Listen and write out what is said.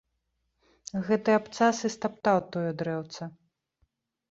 Гэты абцас і стаптаў тое дрэўца!